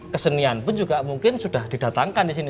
kesenian pun juga mungkin sudah didatangkan di sini